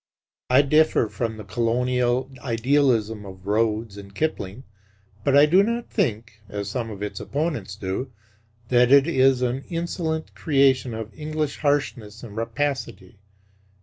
I differ from the Colonial idealism of Rhodes' and Kipling; but I do not think, as some of its opponents do, that it is an insolent creation of English harshness and rapacity.